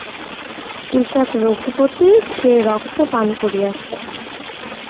পিশাচ রঘুপতি সে রক্ত পান করিয়াছে!